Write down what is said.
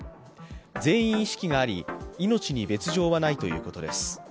全員意識はあり、命に別状はないということです。